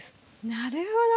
なるほど。